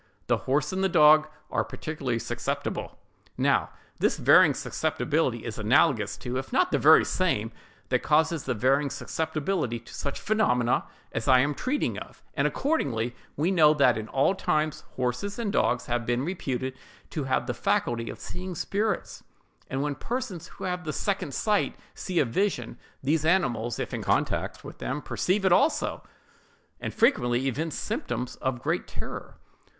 The horse and the dog are particularly susceptible. Now, this varying susceptibility is analogous to, if not the very same, that causes the varying susceptibility to such phenomena as I am treating of; and, accordingly, we know that in all times, horses and dogs have been reputed to have the faculty of seeing spirits: and when persons who have the second sight see a vision, these animals, if in contact with them, perceive it also, and frequently evince symptoms of great terror.